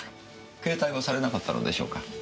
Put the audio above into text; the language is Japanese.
携帯はされなかったのでしょうか？